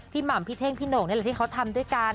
หม่ำพี่เท่งพี่โหน่งนี่แหละที่เขาทำด้วยกัน